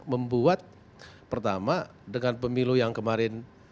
membuat pertama dengan pemilu yang kemarin